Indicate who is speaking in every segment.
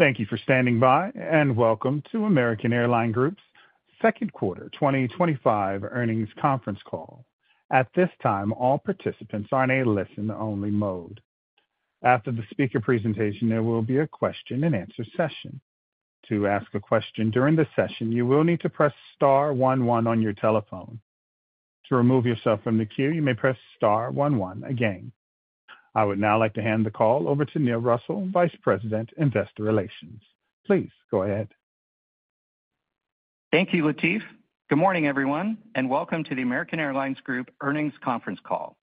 Speaker 1: Thank you for standing by and welcome to American Airlines Group's Second Quarter twenty twenty five Earnings Conference Call. At this time, all participants are in a listen only mode. After the speaker presentation, there will be a question and answer session. To ask a question during the session, you will need to press 11 on your telephone. To remove yourself from the queue, you may press 11 again. I would now like to hand the call over to Neil Russell, Vice President, Investor Relations. Please go ahead.
Speaker 2: Thank you, Latif. Good morning, everyone, and welcome to the American Airlines Group earnings conference call.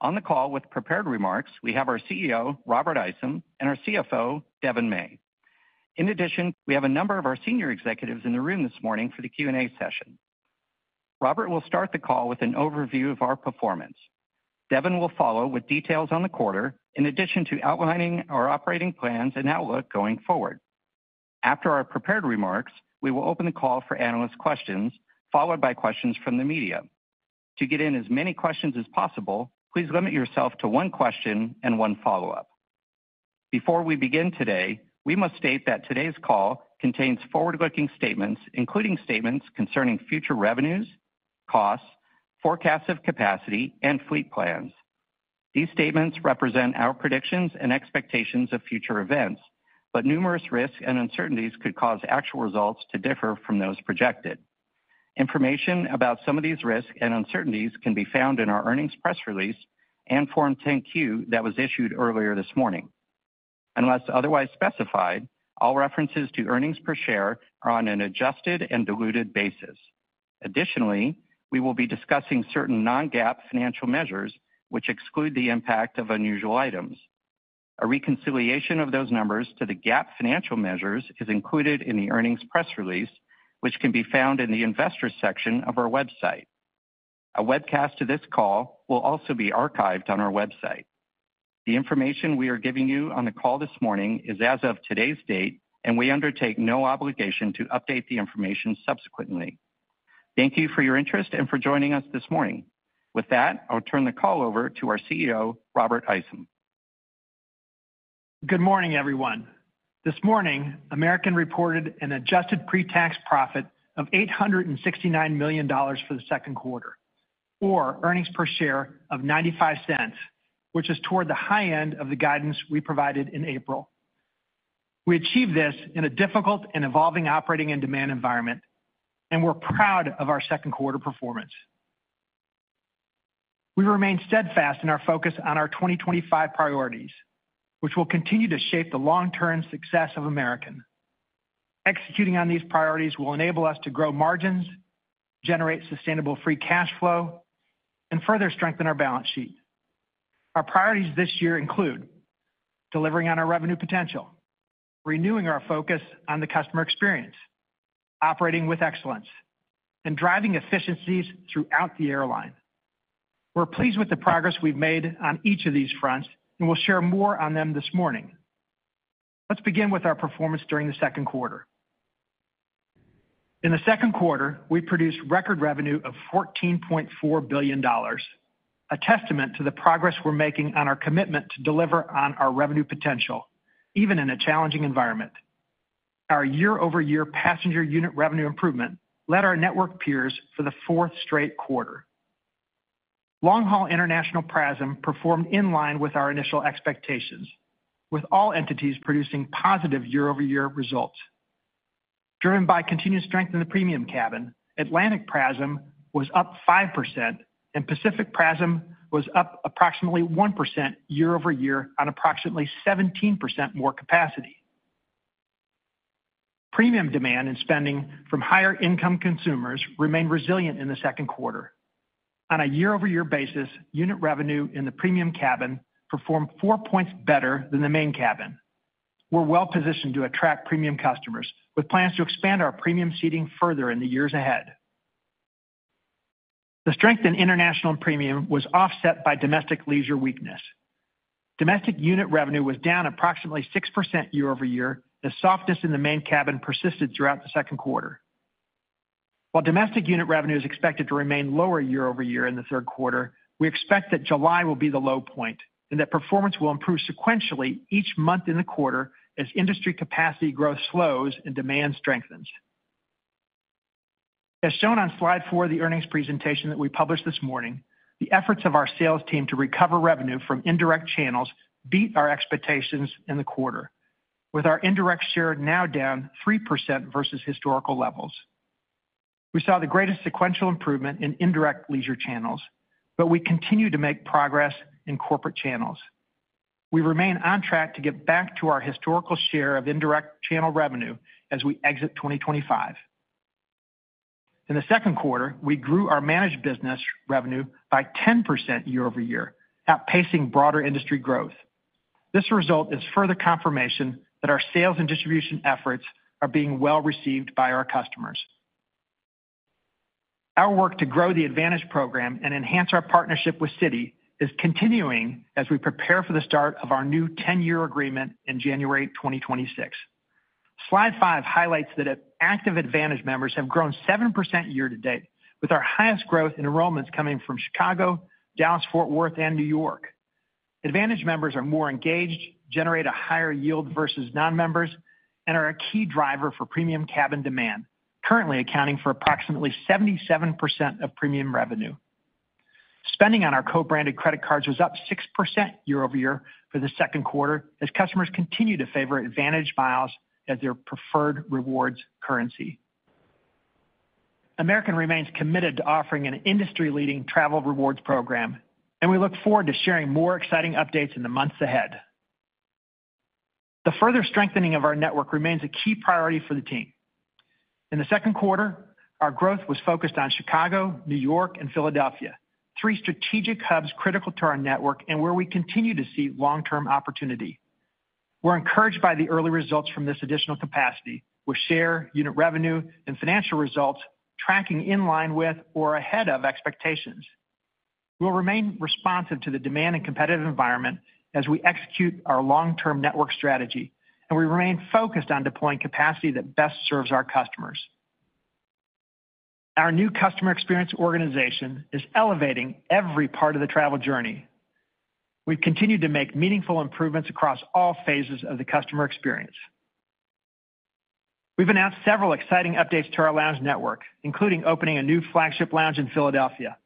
Speaker 2: On the call with prepared remarks, we have our CEO, Robert Isom and our CFO, Devin May. In addition, we have a number of our senior executives in the room this morning for the Q and A session. Robert will start the call with an overview of our performance. Devin will follow with details on the quarter in addition to outlining our operating plans and outlook going forward. After our prepared remarks, we will open the call for analyst questions, followed by questions from the media. To get in as many questions as possible, please limit yourself to one question and one follow-up. Before we begin today, we must state that today's call contains forward looking statements, including statements concerning future revenues, costs, forecasts of capacity and fleet plans. These statements represent our predictions and expectations of future events, but numerous risks and uncertainties could cause actual results to differ from those projected. Information about some of these risks and uncertainties can be found in our earnings press release and Form 10 Q that was issued earlier this morning. Unless otherwise specified, all references to earnings per share are on an adjusted and diluted basis. Additionally, we will be discussing certain non GAAP financial measures, which exclude the impact of unusual items. A reconciliation of those numbers to the GAAP financial measures is included in the earnings press release, which can be found in the Investors section of our website. A webcast of this call will also be archived on our website. The information we are giving you on the call this morning is as of today's date, and we undertake no obligation to update the information subsequently. Thank you for your interest and for joining us this morning. With that, I'll turn the call over to our CEO, Robert Isom.
Speaker 3: Good morning, everyone. This morning, American reported an adjusted pretax profit of $869,000,000 for the second quarter or earnings per share of $0.95 which is toward the high end of the guidance we provided in April. We achieved this in a difficult and evolving operating and demand environment, and we're proud of our second quarter performance. We remain steadfast in our focus on our 2025 priorities, which will continue to shape the long term success of American. Executing on these priorities will enable us to grow margins, generate sustainable free cash flow, and further strengthen our balance sheet. Our priorities this year include delivering on our revenue potential, renewing our focus on the customer experience, operating with excellence and driving efficiencies throughout the airline. We're pleased with the progress we've made on each of these fronts, and we'll share more on them this morning. Let's begin with our performance during the second quarter. In the second quarter, we produced record revenue of $14,400,000,000 a testament to the progress we're making on our commitment to deliver on our revenue potential even in a challenging environment. Our year over year passenger unit revenue improvement led our network peers for the fourth straight quarter. Long haul international PRASM performed in line with our initial expectations, with all entities producing positive year over year results. Driven by continued strength in the premium cabin, Atlantic PRASM was up 5%, and Pacific PRASM was up approximately 1% year over year on approximately 17% more capacity. Premium demand and spending from higher income consumers remained resilient in the second quarter. On a year over year basis, unit revenue in the Premium Cabin performed four points better than the Main Cabin. We're well positioned to attract premium customers with plans to expand our premium seating further in the years ahead. The strength in international premium was offset by domestic leisure weakness. Domestic unit revenue was down approximately 6% year over year. The softness in the main cabin persisted throughout the second quarter. While domestic unit revenue is expected to remain lower year over year in the third quarter, we expect that July will be the low point and that performance will improve sequentially each month in the quarter as industry capacity growth slows and demand strengthens. As shown on slide four of the earnings presentation that we published this morning, the efforts of our sales team to recover revenue from indirect channels beat our expectations in the quarter, with our indirect share now down 3% versus historical levels. We saw the greatest sequential improvement in indirect leisure channels, but we continue to make progress in corporate channels. We remain on track to get back to our historical share of indirect channel revenue as we exit 2025. In the second quarter, we grew our managed business revenue by 10% year over year, outpacing broader industry growth. This result is further confirmation that our sales and distribution efforts are being well received by our customers. Our work to grow the ADDvantage program and enhance our partnership with Citi is continuing as we prepare for the start of our new 10 agreement in January 2026. Slide five highlights that active Advantage members have grown 7% year to date, with our highest growth in enrollments coming from Chicago, Dallas Fort Worth, New York. Advantage members are more engaged, generate a higher yield versus nonmembers, and are a key driver for premium cabin demand, currently accounting for approximately 77% of premium revenue. Spending on our co branded credit cards was up 6% year over year for the second quarter as customers continue to favor advantage miles as their preferred rewards currency. American remains committed to offering an industry leading travel rewards program, and we look forward to sharing more exciting updates in the months ahead. The further strengthening of our network remains a key priority for the team. In the second quarter, our growth was focused on Chicago, New York, and Philadelphia, three strategic hubs critical to our network and where we continue to see long term opportunity. We're encouraged by the early results from this additional capacity, with share, unit revenue and financial results tracking in line with or ahead of expectations. We'll remain responsive to the demand and competitive environment as we execute our long term network strategy, and we remain focused on deploying capacity that best serves our customers. Our new customer experience organization is elevating every part of the travel journey. We've continued to make meaningful improvements across all phases of the customer experience. We've announced several exciting updates to our lounge network, including opening a new flagship lounge in Philadelphia.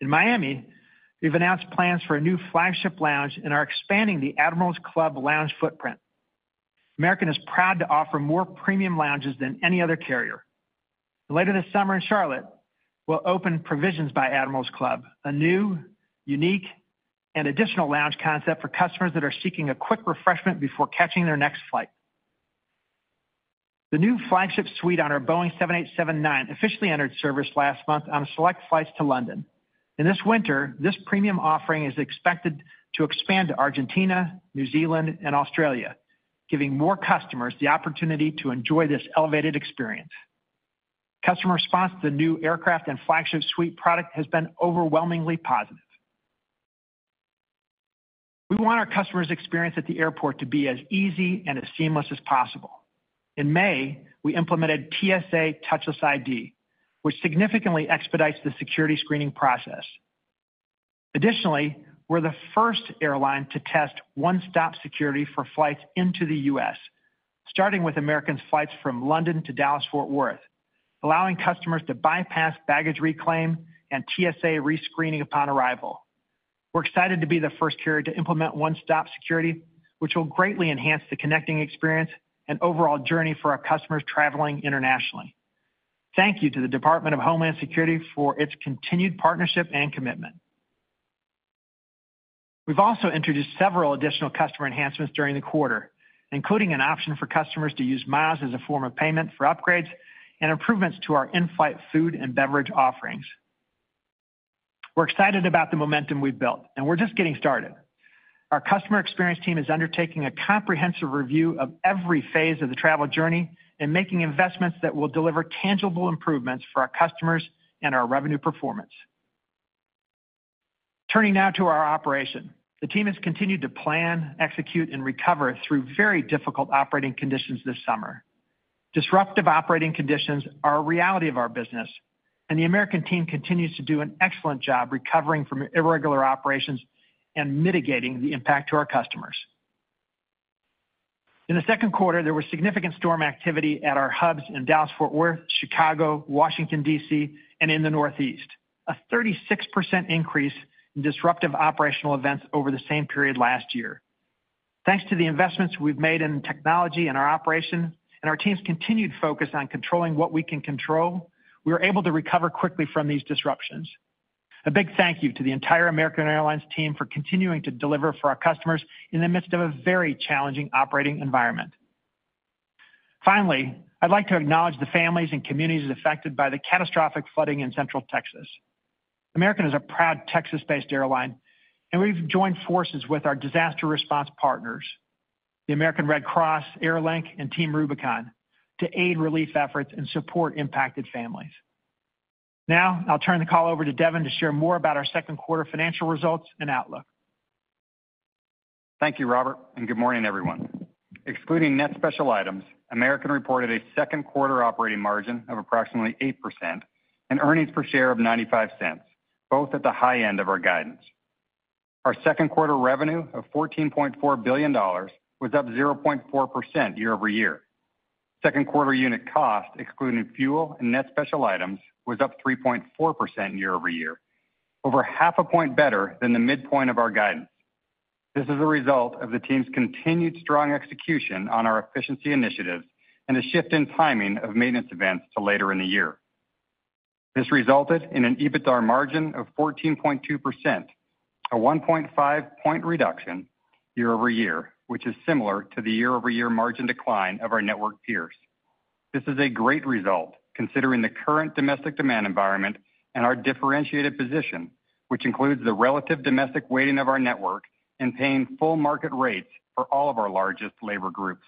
Speaker 3: In Miami, we've announced plans for a new flagship lounge and are expanding the Admiral's Club lounge footprint. American is proud to offer more premium lounges than any other carrier. Later this summer in Charlotte, we'll open Provisions by Admiral's Club, a new, unique, and additional lounge concept for customers that are seeking a quick refreshment before catching their next flight. The new flagship suite on our Boeing seven eighty seven-nine officially entered service last month on select flights to London. In this winter, this premium offering is expected to expand to Argentina, New Zealand, and Australia, giving more customers the opportunity to enjoy this elevated experience. Customer response to the new aircraft and flagship suite product has been overwhelmingly positive. We want our customers' experience at the airport to be as easy and as seamless as possible. In May, we implemented TSA Touchless ID, which significantly expedites the security screening process. Additionally, we're the first airline to test one stop security for flights into The US, starting with American's flights from London to Dallas Fort Worth, allowing customers to bypass baggage reclaim and TSA rescreening upon arrival. We're excited to be the first carrier to implement one stop security, which will greatly enhance the connecting experience and overall journey for our customers traveling internationally. Thank you to the Department of Homeland Security for its continued partnership and commitment. We've also introduced several additional customer enhancements during the quarter, including an option for customers to use Miles as a form of payment for upgrades and improvements to our in flight food and beverage offerings. We're excited about the momentum we've built, and we're just getting started. Our customer experience team is undertaking a comprehensive review of every phase of the travel journey and making investments that will deliver tangible improvements for our customers and our revenue performance. Turning now to our operation. The team has continued to plan, execute, and recover through very difficult operating conditions this summer. Disruptive operating conditions are a reality of our business, and the American team continues to do an excellent job recovering from irregular operations and mitigating the impact to our customers. In the second quarter, there was significant storm activity at our hubs in Dallas Fort Worth, Chicago, Washington, D. C. And in the Northeast, a 36% increase in disruptive operational events over the same period last year. Thanks to the investments we've made in technology and our operation and our team's continued focus on controlling what we can control, we were able to recover quickly from these disruptions. A big thank you to the entire American Airlines team for continuing to deliver for our customers in the midst of a very challenging operating environment. Finally, I'd like to acknowledge the families and communities affected by the catastrophic flooding in Central Texas. American is a proud Texas based airline, and we've joined forces with our disaster response partners, the American Red Cross, AirLink, and Team Rubicon, to aid relief efforts and support impacted families. Now I'll turn the call over to Devin to share more about our second quarter financial results and outlook.
Speaker 4: Thank you, Robert, and good morning, everyone. Excluding net special items, American reported a second quarter operating margin of approximately 8% and earnings per share of $0.95 both at the high end of our guidance. Our second quarter revenue of $14,400,000,000 was up 0.4% year over year. Second quarter unit cost, excluding fuel and net special items, was up 3.4% year over year, over half a point better than the midpoint of our guidance. This is a result of the team's continued strong execution on our efficiency initiatives and a shift in timing of maintenance events to later in the year. This resulted in an EBITDAR margin of 14.2%, a 1.5 reduction year over year, which is similar to the year over year margin decline of our network peers. This is a great result considering the current domestic demand environment and our differentiated position, which includes the relative domestic weighting of our network and paying full market rates for all of our largest labor groups.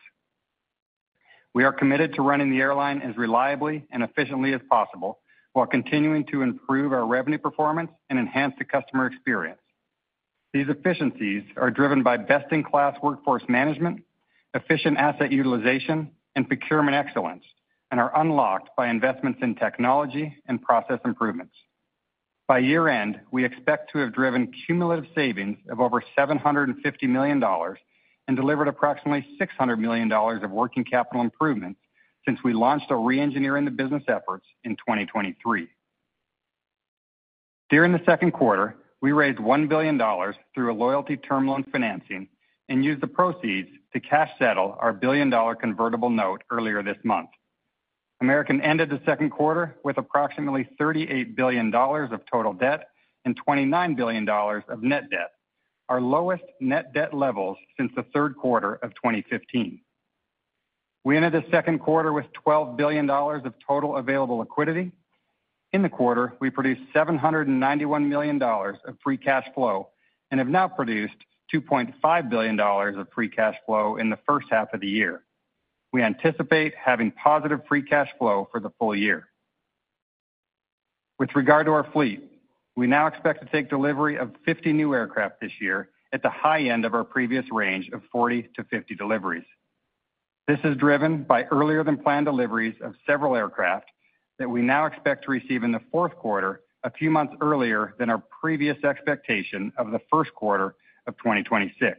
Speaker 4: We are committed to running the airline as reliably and efficiently as possible while continuing to improve our revenue performance and enhance the customer experience. These efficiencies are driven by best in class workforce management, efficient asset utilization, and procurement excellence, and are unlocked by investments in technology and process improvements. By year end, we expect to have driven cumulative savings of over $750,000,000 and delivered approximately $600,000,000 of working capital improvements since we launched our reengineering the business efforts in 2023. During the second quarter, we raised $1,000,000,000 through a loyalty term loan financing and used the proceeds to cash settle our $1,000,000,000 convertible note earlier this month. American ended the second quarter with approximately $38,000,000,000 of total debt and $29,000,000,000 of net debt, our lowest net debt levels since the third quarter of twenty fifteen. We ended the second quarter with $12,000,000,000 of total available liquidity. In the quarter, we produced $791,000,000 of free cash flow and have now produced $2,500,000,000 of free cash flow in the first half of the year. We anticipate having positive free cash flow for the full year. With regard to our fleet, we now expect to take delivery of 50 new aircraft this year at the high end of our previous range of 40 to 50 deliveries. This is driven by earlier than planned deliveries of several aircraft that we now expect to receive in the fourth quarter a few months earlier than our previous expectation of the first quarter of twenty twenty six.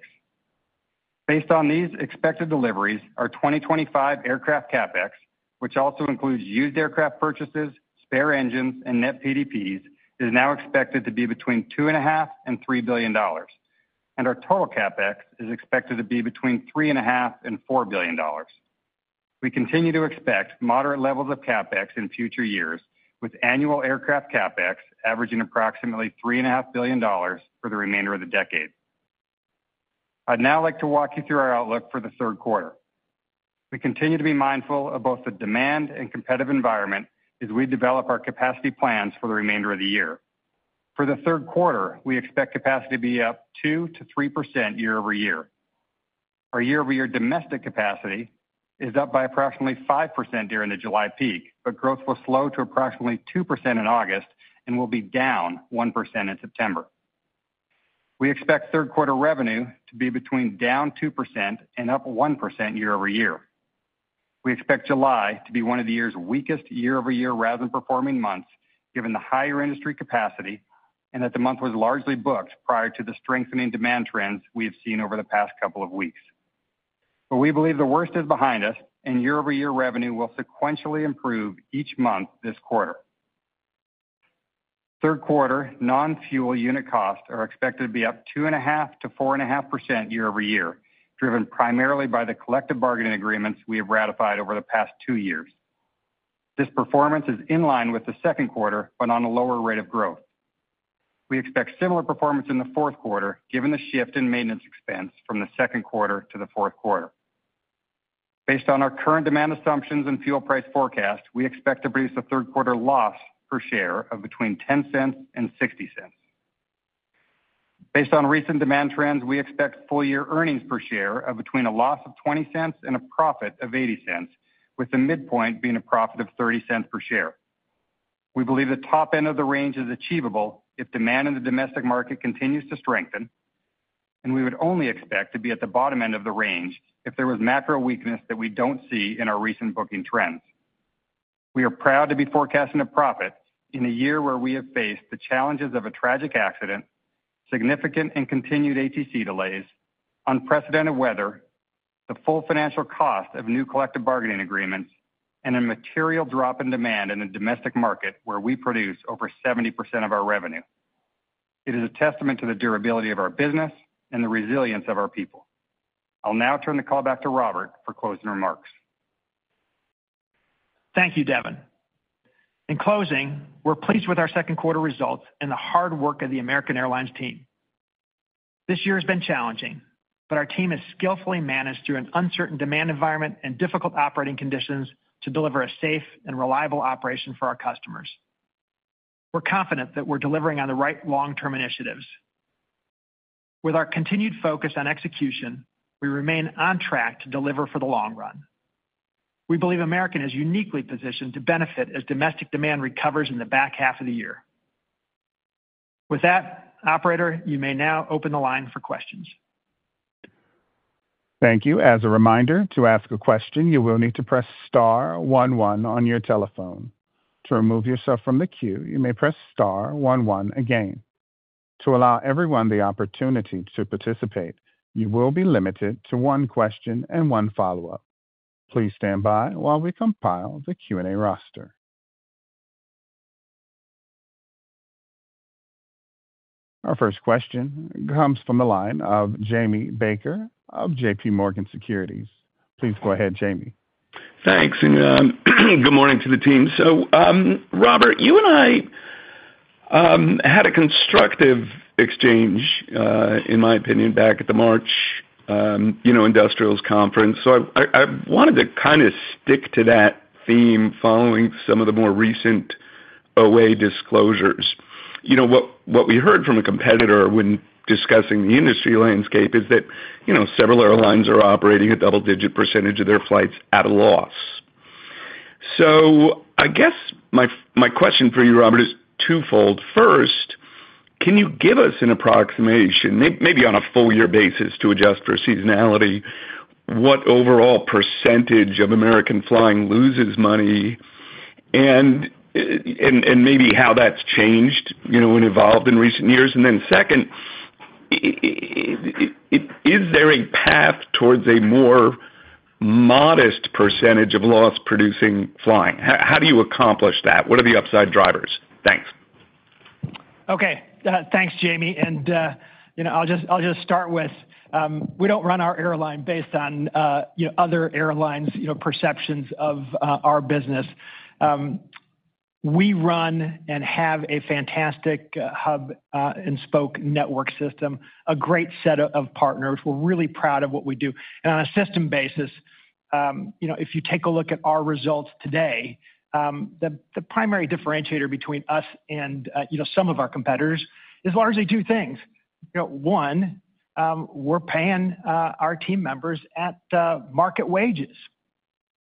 Speaker 4: Based on these expected deliveries, our twenty twenty five aircraft CapEx, which also includes used aircraft purchases, spare engines, and net PDPs, is now expected to be between 2,500,000,000.0 and $3,000,000,000 and our total CapEx is expected to be between $3,500,000,000 and $4,000,000,000 We continue to expect moderate levels of CapEx in future years with annual aircraft CapEx averaging approximately $3,500,000,000 for the remainder of the decade. I'd now like to walk you through our outlook for the third quarter. We continue to be mindful of both the demand and competitive environment as we develop our capacity plans for the remainder of the year. For the third quarter, we expect capacity to be up two to 3% year over year. Our year over year domestic capacity is up by approximately 5% during the July peak, but growth will slow to approximately 2% in August and will be down 1% in September. We expect third quarter revenue to be between down 2% and up 1% year over year. We expect July to be one of the year's weakest year over year RASM performing months, given the higher industry capacity and that the month was largely booked prior to the strengthening demand trends we have seen over the past couple of weeks. But we believe the worst is behind us, and year over year revenue will sequentially improve each month this quarter. Third quarter nonfuel unit costs are expected to be up 2.5% to 4.5% year over year, driven primarily by the collective bargaining agreements we have ratified over the past two years. This performance is in line with the second quarter, but on a lower rate of growth. We expect similar performance in the fourth quarter, given the shift in maintenance expense from the second quarter to the fourth quarter. Based on our current demand assumptions and fuel price forecast, we expect to produce a third quarter loss per share of between $0.10 and $0.60 Based on recent demand trends, we expect full year earnings per share of between a loss of $0.20 and a profit of $0.80 with the midpoint being a profit of $0.30 per share. We believe the top end of the range is achievable if demand in the domestic market continues to strengthen, and we would only expect to be at the bottom end of the range if there was macro weakness that we don't see in our recent booking trends. We are proud to be forecasting a profit in a year where we have faced the challenges of a tragic accident, significant and continued ATC delays, unprecedented weather, the full financial cost of new collective bargaining agreements, and a material drop in demand in the domestic market where we produce over 70% of our revenue. It is a testament to the durability of our business and the resilience of our people. I'll now turn the call back to Robert for closing remarks.
Speaker 3: Thank you, Devin. In closing, we're pleased with our second quarter results and the hard work of the American Airlines team. This year has been challenging, but our team has skillfully managed through an uncertain demand environment and difficult operating conditions to deliver a safe and reliable operation for our customers. We're confident that we're delivering on the right long term initiatives. With our continued focus on execution, we remain on track to deliver for the long run. We believe American is uniquely positioned to benefit as domestic demand recovers in the back half of the year. With that, operator, you may now open the line for questions.
Speaker 1: Thank you. To allow everyone the opportunity to participate, you will be limited to one question and one follow-up. Please standby while we compile the Q and A roster. Our first question comes from the line of Jamie Baker of JPMorgan Securities. Please go ahead, Jamie.
Speaker 5: Thanks and good morning to the team. So Robert, you and I had a constructive exchange in my opinion back at the March Industrials Conference. So I wanted to kind of stick to that theme following some of the more recent OA disclosures. What we heard from a competitor when discussing the industry landscape is that several airlines are operating a double digit percentage of their flights at a loss. So I guess my question for you Robert is twofold. First, can you give us an approximation maybe on a full year basis to adjust for seasonality, what overall percentage of American flying loses money? And maybe how that's changed and evolved in recent years? And then second, is there a path towards a more modest percentage of loss producing flying? How do you accomplish that? What are the upside drivers? Thanks.
Speaker 3: Okay. Thanks, Jamie. And I'll just start with, we don't run our airline based on other airlines' perceptions of our business. We run and have a fantastic hub and spoke network system, a great set of partners. We're really proud of what we do. And on a system basis, if you take a look at our results today, the primary differentiator between us and some of our competitors is largely two things. One, we're paying, our team members at, market wages.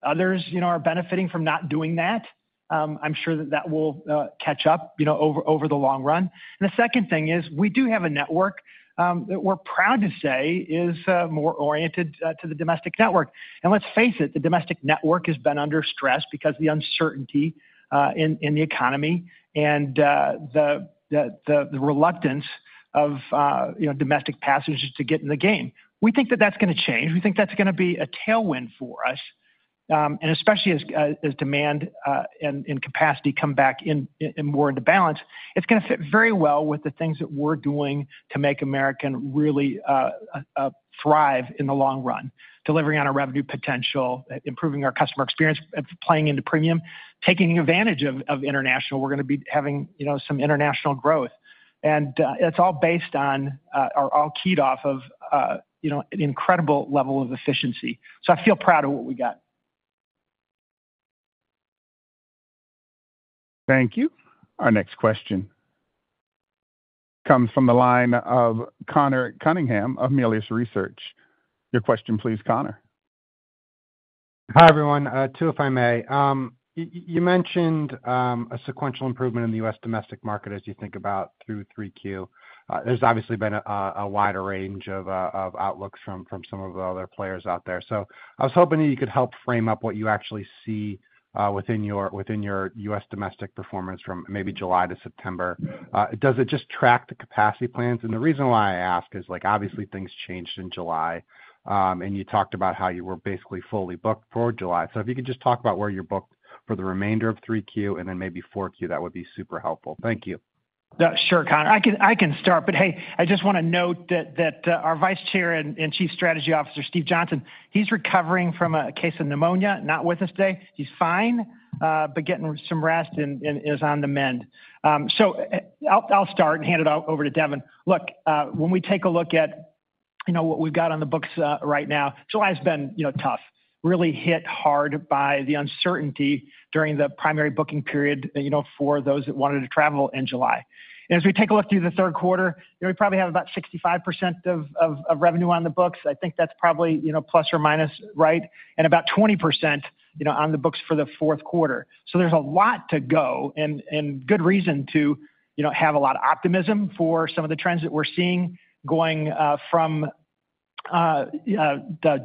Speaker 3: Others, you know, are benefiting from not doing that. I'm sure that that will, catch up, you know, over over the long run. The second thing is we do have a network that we're proud to say is, more oriented, to the domestic network. And let's face it. The domestic network has been under stress because of the uncertainty, in in the economy and the the the the reluctance of, you know, domestic passengers to get in the game. We think that that's gonna change. We think that's gonna be a tailwind for us. And especially as as demand, and and capacity come back in in more into balance, it's gonna fit very well with the things that we're doing to make American really, thrive in the long run, delivering on our revenue potential, improving our customer experience, playing into premium, taking advantage of of international. We're gonna be having, you know, some international growth. And, it's all based on, or all keyed off of, you know, an incredible level of efficiency. So I feel proud of what we got.
Speaker 1: Our next question comes from the line of Conor Cunningham of Melius Research.
Speaker 6: Two, if I may. You mentioned a sequential improvement in The U. S. Domestic market as you think about through 3Q. There's obviously been a wider range of outlooks from some of the other players out there. So I was hoping that you could help frame up what you actually see within your within your US domestic performance from maybe July to September. Does it just track the capacity plans? And the reason why I ask is, like, obviously, things changed in July, and you talked about how you were basically fully booked for July. So if you could just talk about where you're booked for the remainder of 3Q and then maybe 4Q, that would be super helpful. Thank you.
Speaker 3: Sure, Connor. I can start. But hey, I just want to note that our Vice Chair and Chief Strategy Officer, Steve Johnson, he's recovering from a case of pneumonia, not with us today. He's fine, but getting some rest and is on the mend. So I'll start and hand it out over to Devin. Look, when we take a look at what we've got on the books right now, July has been tough, really hit hard by the uncertainty during the primary booking period for those that wanted to travel in July. And as we take a look through the third quarter, we probably have about 65% of revenue on the books. I think that's probably plus or minus right, And about 20% on the books for the fourth quarter. So there's a lot to go and good reason to have a lot of optimism for some of the trends that we're seeing going from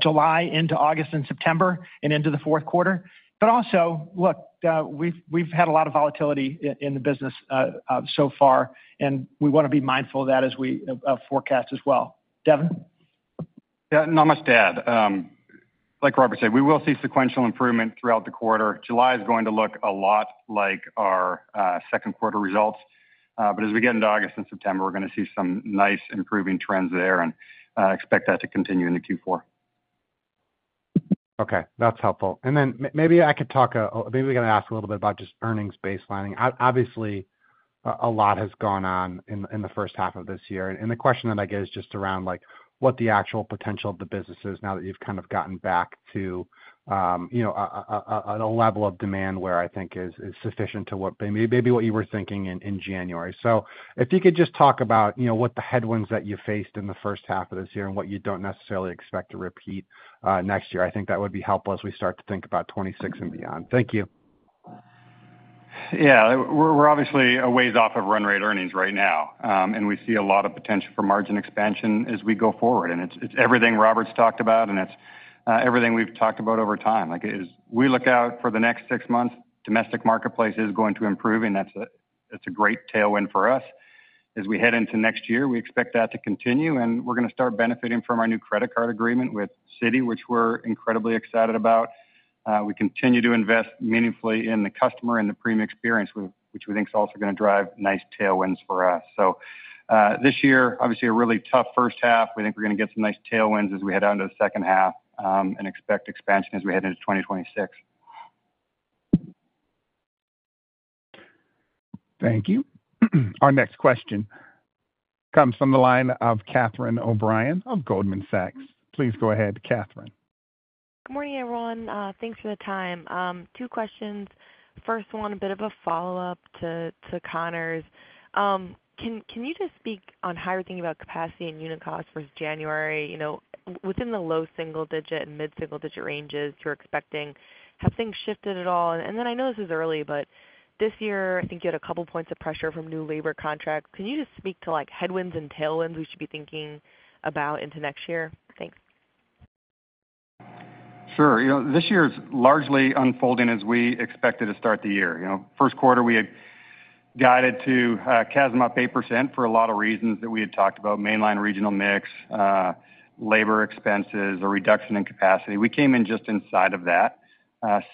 Speaker 3: July into August and September and into the fourth quarter. But also, look, we've had a lot of volatility in the business so far, and we want to be mindful of that as we forecast as well. Devin?
Speaker 4: Yeah. And I must add. Like Robert said, we will see sequential improvement throughout the quarter. July is going to look a lot like our, second quarter results. But as we get into August and September, we're gonna see some nice improving trends there and expect that to continue into q four.
Speaker 6: Okay. That's helpful. And then maybe I could talk maybe we're ask a little bit about just earnings baselining. Obviously, a lot has gone on in in the first half of this year. And the question that I get is just around, like, what the actual potential of the business is now that you've kind of gotten back to a level of demand where I think is sufficient to what maybe what you were thinking in January. So if you could just talk about what the headwinds that you faced in the first half of this year and what you don't necessarily expect to repeat next year. Think that would be helpful as we start to think about 'twenty six and beyond. Thank you.
Speaker 4: Yeah. We're obviously a ways off of run rate earnings right now, and we see a lot of potential for margin expansion as we go forward. And it's it's everything Robert's talked about, and it's everything we've talked about over time. Like, as we look out for the next six months, domestic marketplace is going to improve, and that's a that's a great tailwind for us. As we head into next year, we expect that to continue, and we're gonna start benefiting from our new credit card agreement with Citi, which we're incredibly excited about. We continue to invest meaningfully in the customer and the premium experience, which we think is also gonna drive nice tailwinds for us. So this year, obviously, a really tough first half. We think we're gonna get some nice tailwinds as we head on to the second half and expect expansion as we head into 2026.
Speaker 1: Thank you. Our next question comes from the line of Kathryn O'Brien of Goldman Sachs. Please go ahead, Kathryn.
Speaker 7: Good morning, everyone. Thanks for the time. Two questions. First one, a bit of a follow-up to Conor's. Can you just speak on how you're thinking about capacity and unit costs versus January? Within the low single digit and mid single digit ranges you're expecting, have things shifted at all? And then I know this is early, but this year, I think you had a couple of points of pressure from new labor contracts. Can you just speak to, like, headwinds and tailwinds we should be thinking about into next year?
Speaker 4: Sure. This year is largely unfolding as we expected to start the year. First quarter, we had guided to CASM up 8% for a lot of reasons that we had talked about mainline regional mix, labor expenses, a reduction in capacity. We came in just inside of that.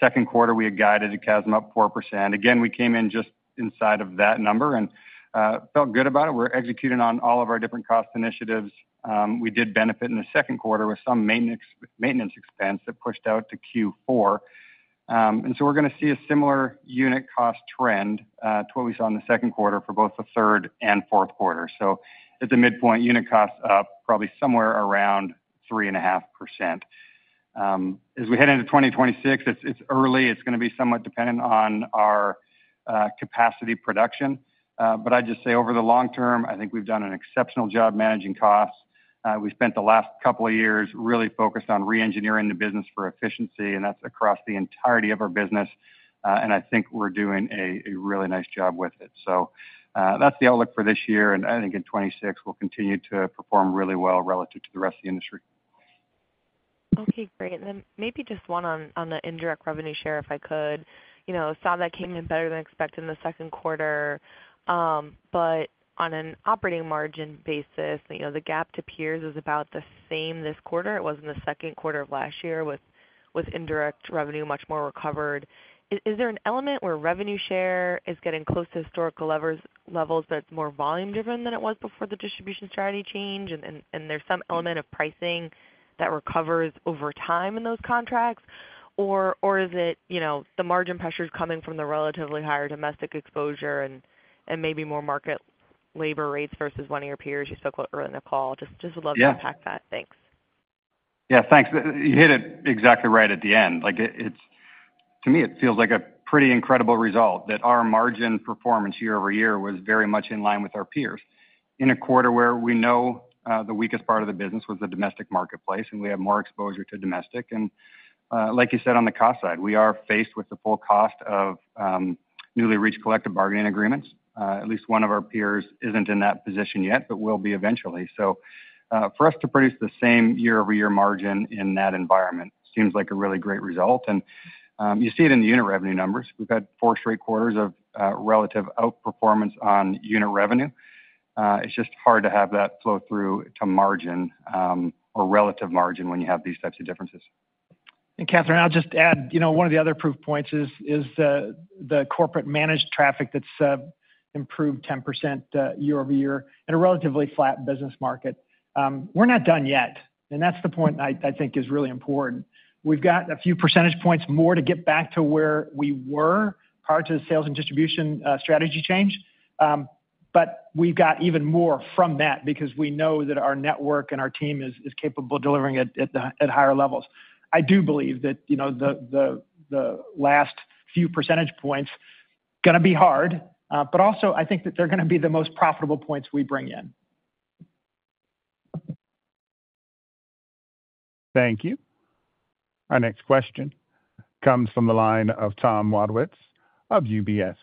Speaker 4: Second quarter, we had guided to CASM up 4%. Again, we came in just inside of that number and, felt good about it. We're executing on all of our different cost initiatives. We did benefit in the second quarter with some maintenance maintenance expense that pushed out to q four, and so we're gonna see a similar unit cost trend, to what we saw in the second quarter for both the third and fourth quarter. So at the midpoint, unit cost up probably somewhere around 3.5%. As we head into 2026, it's it's early. It's gonna be somewhat dependent on our capacity production, but I'd just say over the long term, I think we've done an exceptional job managing costs. We spent the last couple of years really focused on reengineering the business for efficiency, and that's across the entirety of our business, And I think we're doing a really nice job with it. So that's the outlook for this year. And I think in '26, we'll continue to perform really well relative to the rest of the industry.
Speaker 7: Okay. Great. And then maybe just one on the indirect revenue share, if I could. Saw that came in better than expected in the second quarter. But on an operating margin basis, the gap to peers is about the same this quarter. It was in the second quarter of last year with indirect revenue much more recovered. Is there an element where revenue share is getting close to historical levels that's more volume driven than it was before the distribution strategy change and there's some element of pricing that recovers over time in those contracts? Or is it the margin pressure is coming from the relatively higher domestic exposure and maybe more market labor rates versus one of your peers you spoke about earlier in the call? Just would love to unpack that.
Speaker 4: Yeah. Thanks. You hit it exactly right at the end. Like, it's to me, it feels like a pretty incredible result that our margin performance year over year was very much in line with our peers. In a quarter where we know the weakest part of the business was the domestic marketplace, and we have more exposure to domestic. And, like you said on the cost side, we are faced with the full cost of newly reached collective bargaining agreements. At least one of our peers isn't in that position yet, but will be eventually. So for us to produce the same year over year margin in that environment seems like a really great result, and, you see it in the unit revenue numbers. We've had four straight quarters of, relative outperformance on unit revenue. It's just hard to have that flow through to margin or relative margin when you have these types of differences.
Speaker 3: And, Katherine, I'll just add, one of the other proof points is the corporate managed traffic that's improved 10% year over year in a relatively flat business market. We're not done yet. And that's the point I think is really important. We've got a few percentage points more to get back to where we were prior to the sales and distribution strategy change. But we've got even more from that because we know that our network and our team is capable of delivering it at higher levels. I do believe that the last few percentage points going to be hard. But also, I think that they're going to be the most profitable points we bring in.
Speaker 1: Thank you. Our next question comes from the line of Tom Wadewitz of UBS.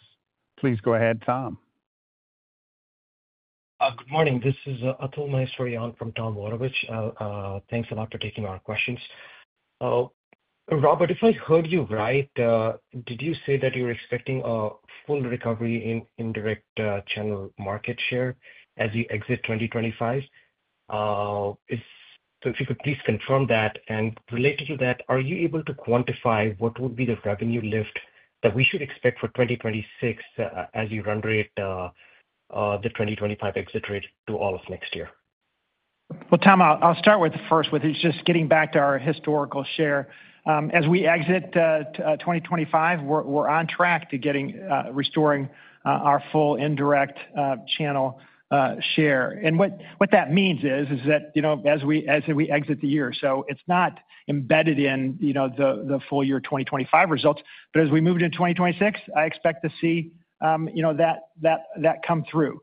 Speaker 1: Please go ahead, Tom.
Speaker 8: Good morning. This is Atul Maheshwari on from Tom Wadewitz. Thanks a lot for taking our questions. Robert, if I heard you right, did you say that you were expecting a full recovery in indirect channel market share as you exit 2025? Is so if you could please confirm that. And related to that, are you able to quantify what would be the revenue lift that we should expect for 2026 as you run rate the 2025 exit rate to all of next year?
Speaker 3: Well, Tom, I'll start with the first, which is just getting back to our historical share. As we exit 2025, we're on track to getting restoring our full indirect channel share. And what that means is that as we exit the year, so it's not embedded in the full year 2025 results. But as we move into 2026, I expect to see that come through.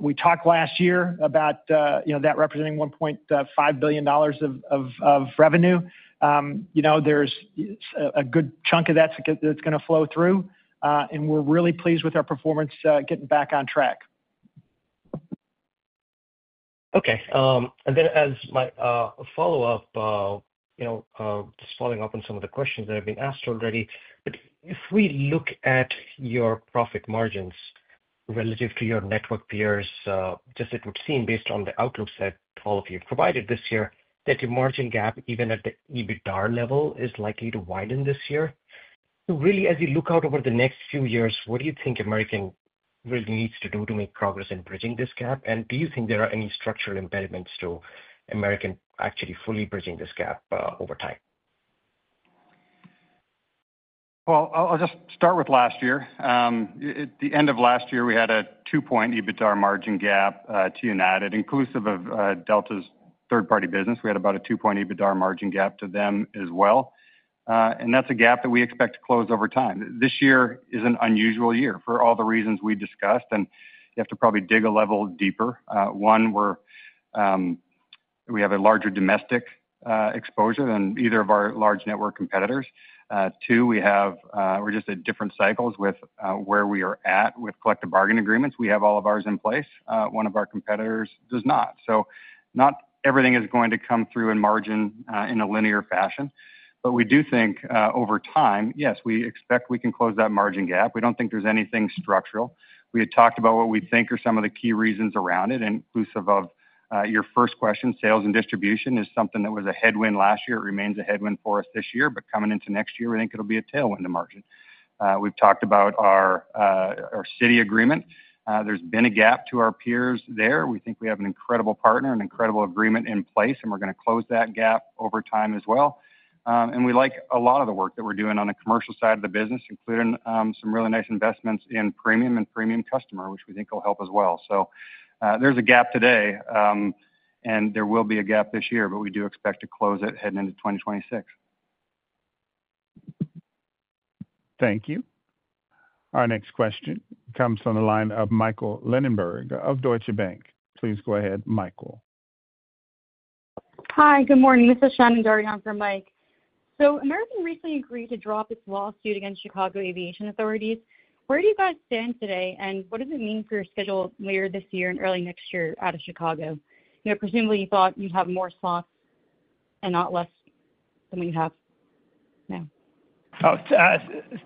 Speaker 3: We talked last year about that representing $1,500,000,000 of revenue. There's a good chunk of that that's going to flow through. We're really pleased with our performance getting back on track.
Speaker 8: Okay. And then as my follow-up, just following up on some of the questions that have been asked already. But if we look at your profit margins relative to your network peers, just it would seem based on the outlook set all of you provided this year that your margin gap even at the EBITDAR level is likely to widen this year. Really, as you look out over the next few years, what do you think American really needs to do to make progress in bridging this gap? And do you think there are any structural impediments to American actually fully bridging this gap over time?
Speaker 4: Well, I'll just start with last year. At the end of last year, we had a two point EBITDAR margin gap to United inclusive of We had about a two point EBITDAR margin gap to them as well, and that's a gap that we expect to close over time. This year is an unusual year for all the reasons we discussed, and you have to probably dig a level deeper. One, we're we have a larger domestic, exposure than either of our large network competitors. Two, we have, we're just at different cycles with, where we are at with collective bargain agreements. We have all of ours in place. One of our competitors does not. So not everything is going to come through in margin, in a linear fashion, but we do think, over time, yes, we expect we can close that margin gap. We don't think there's anything structural. We had talked about what we think are some of the key reasons around it, inclusive of your first question, sales and distribution is something that was a headwind last year. It remains a headwind for us this year, but coming into next year, we think it'll be a tailwind to margin. We've talked about our, our Citi agreement. There's been a gap to our peers there. We think we have an incredible partner, an incredible agreement in place, and we're gonna close that gap over time as well. And we like a lot of the work that we're doing on the commercial side of the business, including, some really nice investments in premium and premium customer, which we think will help as well. So, there's a gap today, and there will be a gap this year, but we do expect to close it heading into 2026.
Speaker 1: Thank you. Our next question comes from the line of Michael Linenberg of Deutsche Bank. Please go ahead, Michael.
Speaker 9: Hi. Good morning. This is Shannon Daria on for Mike. So American recently agreed to drop its lawsuit against Chicago aviation authorities. Where do you guys stand today, and what does it mean for your schedule later this year and early next year out of Chicago? Presumably, you thought you'd have more slots and not less than we have now.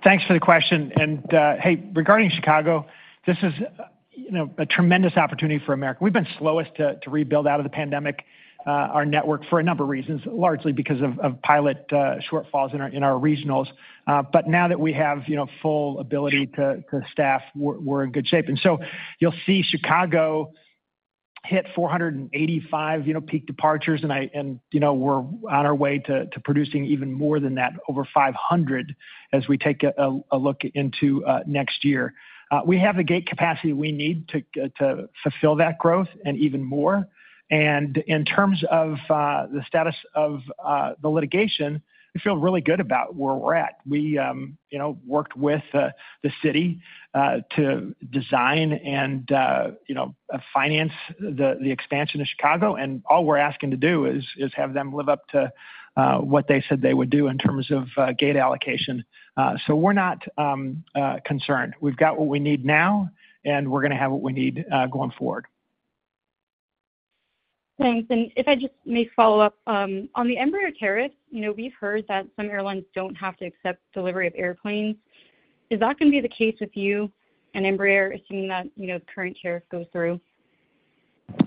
Speaker 3: Thanks for the question. And, hey, regarding Chicago, this is a tremendous opportunity for America. We've been slowest to rebuild out of the pandemic, our network for a number of reasons, largely because of pilot shortfalls in our regionals. But now that we have full ability to staff, we're in good shape. And so you'll see Chicago hit four eighty five peak departures, I and, you know, we're on our way to to producing even more than that over 500 as we take a look into, next year. We have the gate capacity we need to to fulfill that growth and even more. And in terms of, the status of, the litigation, we feel really good about where we're at. We, you know, worked with the city, to design and, you know, finance the the expansion of Chicago. And all we're asking to do is is have them live up to, what they said they would do in terms of, gate allocation. So we're not, concerned. We've got what we need now, and we're gonna have what we need, going forward.
Speaker 9: Thanks. And if I just may follow-up, on the Embraer tariff, you know, we've heard that some airlines don't have to accept delivery of airplanes. Is that gonna be the case with you and Embraer, assuming that, you know, current tariffs go through?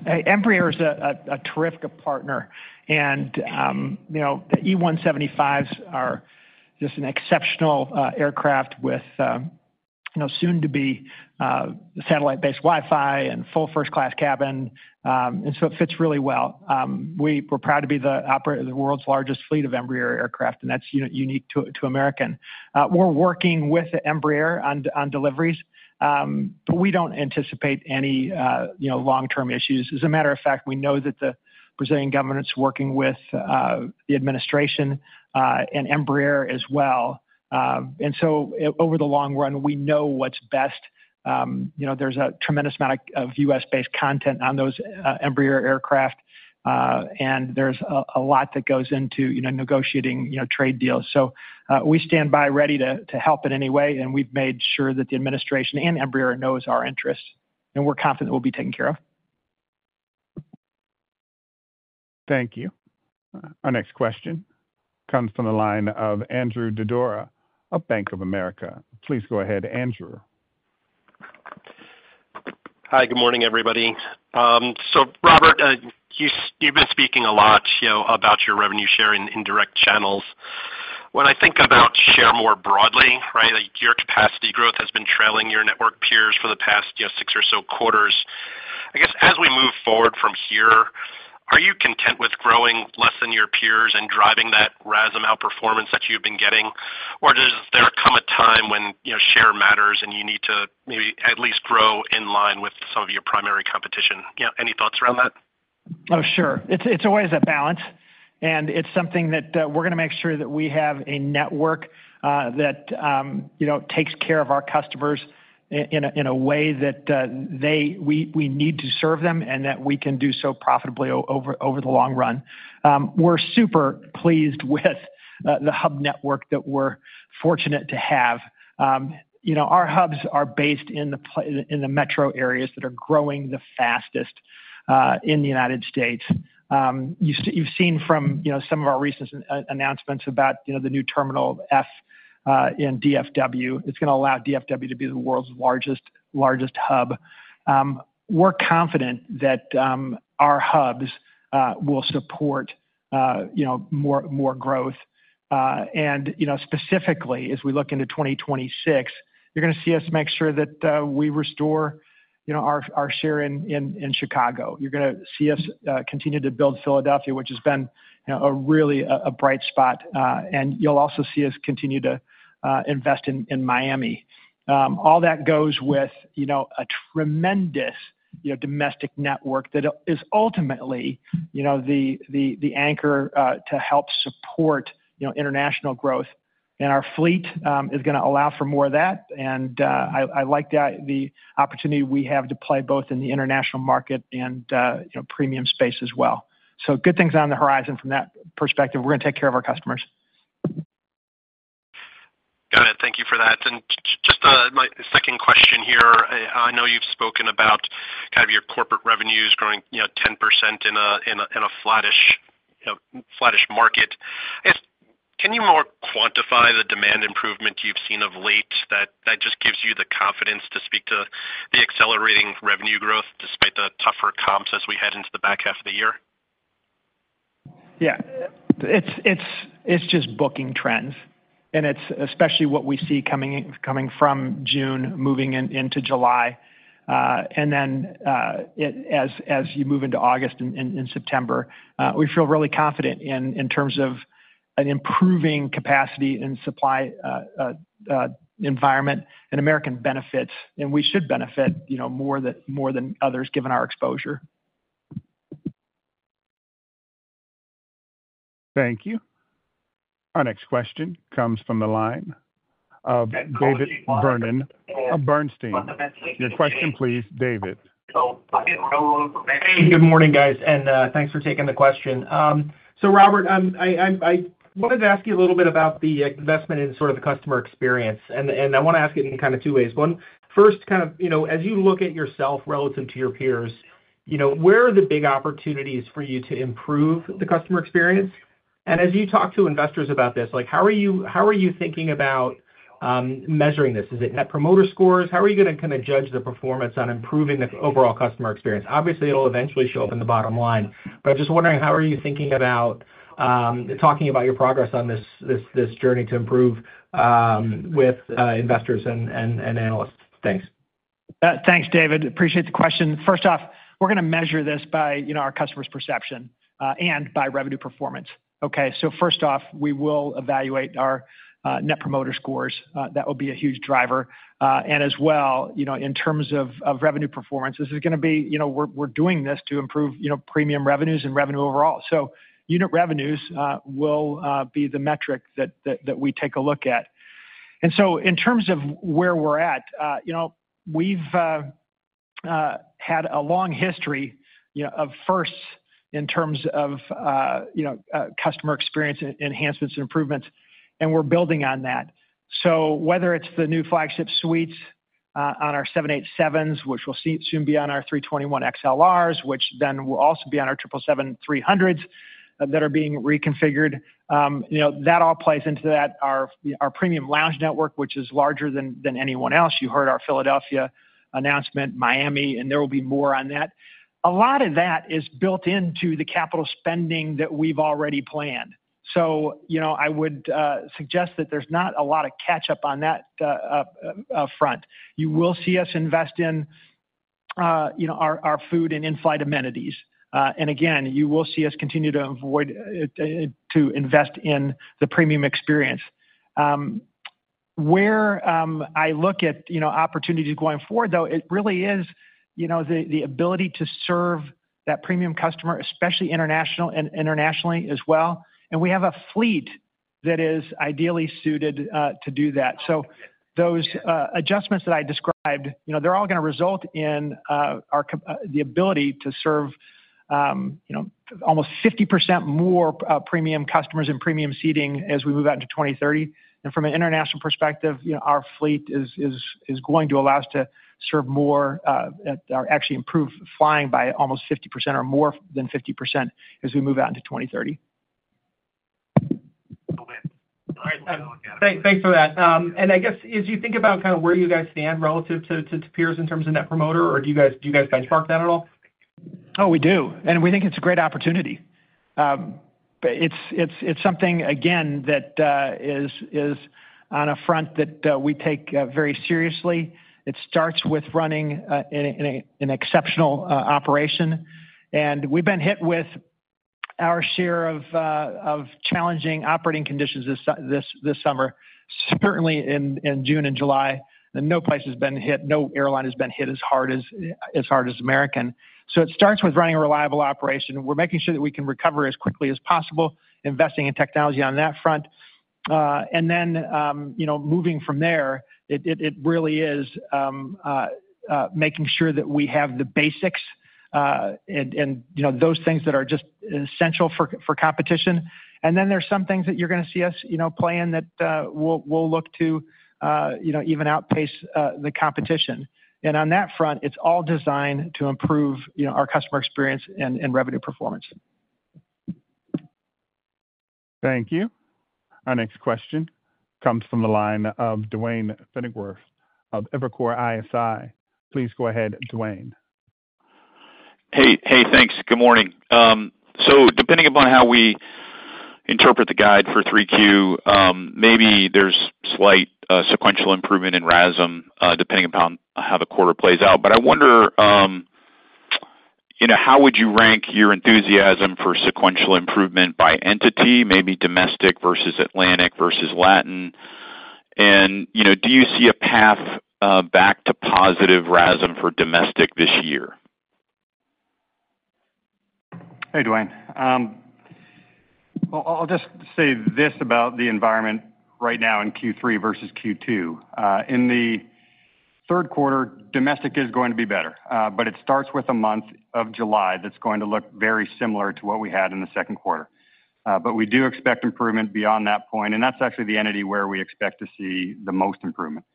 Speaker 3: Embraer is a terrific partner. And the E175s are just an exceptional aircraft with soon to be satellite based Wi Fi and full first class cabin. And so it fits really well. We're proud to be the operator of the world's largest fleet of Embraer aircraft, and that's unique to American. We're working with the Embraer on deliveries, but we don't anticipate any long term issues. As a matter of fact, we know that the Brazilian government's working with, the administration, and Embraer as well. And so over the long run, we know what's best. There's a tremendous amount of US based content on those Embraer aircraft, and there's a lot that goes into negotiating trade deals. So, we stand by ready help in any way, and we've made sure that the administration and Embraer knows our interests, and we're confident it will be taken care of.
Speaker 1: Thank you. Our next question comes from the line of Andrew Dodora of Bank of America. Please go ahead, Andrew.
Speaker 10: Hi, good morning, everybody. So Robert, you've been speaking a lot about your revenue share in indirect channels. When I think about share more broadly, right, your capacity growth has been trailing your network peers for the past six or so quarters. I guess as we move forward from here, are you content with growing less than your peers and driving that RASM outperformance that you've been getting? Or does there come a time when share matters and you need to maybe at least grow in line with some of your primary competition? Any thoughts around that?
Speaker 3: Oh, sure. It's always a balance. And it's something that we're going to make sure that we have a network that takes care of our customers in a way that we need to serve them and that we can do so profitably over the long run. We're super pleased with the hub network that we're fortunate to have. Our hubs are based in the metro areas that are growing the fastest in The United States. You've seen from some of our recent announcements about the new Terminal F in DFW. It's going to allow DFW to be the world's largest hub. We're confident that our hubs will support more growth. And specifically, as we look into 2026, you're going to see us make sure that we restore you know, our our share in in in Chicago. You're gonna see us, continue to build Philadelphia, which has been, you know, a really a a bright spot. And you'll also see us continue to, invest in in Miami. All that goes with, you know, a tremendous, domestic network that is ultimately the anchor, to help support international growth. And our fleet, is gonna allow for more of that. And, I like the opportunity we have to play both in the international market and premium space as well. So good things on the horizon from that perspective. We're going to take care of our customers.
Speaker 10: Got it. Thank you for that. And just my second question here. I know you've spoken about kind of your corporate revenues growing 10% in a flattish market. Can you more quantify the demand improvement you've seen of late that just gives you the confidence to speak to the accelerating revenue growth despite the tougher comps as we head into the back half of the year?
Speaker 3: Yes. It's just booking trends. And it's especially what we see coming from June moving into July. And then, as you move into August and September, we feel really confident in terms of an improving capacity and supply environment, and American benefits, and we should benefit more than others given our exposure.
Speaker 1: Thank you. Our next question comes from the line of David Vernon of Bernstein. Your question, please, David.
Speaker 11: Good morning, guys. And thanks for taking the question. So Robert, I wanted to ask you a little bit about the investment in sort of the customer experience. And I want to ask it in kind of two ways. One, first kind of, as you look at yourself relative to your peers, where are the big opportunities for you to improve the customer experience? And as you talk to investors about this, like, how are you thinking about measuring this? Is it net promoter scores? How are you going to kind of judge the performance on improving the overall customer experience? Obviously, it will eventually show up in the bottom line. But I'm just wondering how are you thinking about talking about your progress on this journey to improve with investors and analysts? Thanks.
Speaker 3: Thanks, David. Appreciate the question. First off, we're going to measure this by our customers' perception and by revenue performance. Okay, so first off, we will evaluate our Net Promoter Scores. That will be a huge driver. And as well, in terms of revenue performance, this is going to be we're doing this to improve premium revenues and revenue overall. So unit revenues will be the metric that we take a look at. And so in terms of where we're at, we've had a long history of firsts in terms of customer experience enhancements and improvements, and we're building on that. So whether it's the new flagship suites on our 787s, which will soon be on our 321XLRs, which then will also be on our seven seventy seven-300s that are being reconfigured, You know, that all plays into that. Our our premium lounge network, is larger than than anyone else. You heard our Philadelphia announcement, Miami, and there will be more on that. A lot of that is built into the capital spending that we've already planned. So I would suggest that there's not a lot of catch up on that front. You will see us invest in our food and in flight amenities. And again, you will see us continue to invest in the premium experience. Where I look at opportunities going forward though, it really is the ability to serve that premium customer, especially international and internationally as well. And we have a fleet that is ideally suited to do that. So those adjustments that I described, they're all gonna result in the ability to serve almost 50% more premium customers and premium seating as we move out into 2,030. And from an international perspective, our fleet is going to allow us to serve more or actually improve flying by almost 50% or more than 50% as we move out into 02/1930.
Speaker 11: Thanks for that. And I guess, as you think about where you guys stand relative to peers in terms of Net Promoter, or do you benchmark that at all?
Speaker 3: We do. And we think it's a great opportunity. But it's something, again, that is on a front that we take very seriously. It starts with running an exceptional operation. And we've been hit with our share of challenging operating conditions this summer, certainly in June and July. And no place has been hit. No airline has been hit as hard as American. So it starts with running a reliable operation. We're making sure that we can recover as quickly as possible, investing in technology on that front. And then moving from there, it really is making sure that we have the basics and those things that are just essential for competition. And then there's some things that you're gonna see us play in that we'll look to even outpace the competition. And on that front, it's all designed to improve our customer experience and revenue performance.
Speaker 1: Thank you. Our next question comes from the line of Duane Pfennigwerth of Evercore ISI. Please go ahead, Duane.
Speaker 12: Hey, thanks. Good morning. So depending upon how we interpret the guide for 3Q, maybe there's slight sequential improvement in RASM depending upon how the quarter plays out. But I wonder how would you rank your enthusiasm for sequential improvement by entity, maybe domestic versus Atlantic versus Latin? And do you see a path back to positive RASM for domestic this year?
Speaker 4: Hey, Duane. I'll just say this about the environment right now in Q3 versus Q2. In the third quarter, domestic is going to be better, but it starts with a month of July that's going to look very similar to what we had in the second quarter. But we do expect improvement beyond that point, and that's actually the entity where to see the most improvement.